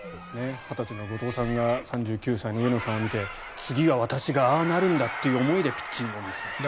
２０歳の後藤さんが３９歳の上野さんを見て次は私がああなるんんだという思いで見ていた。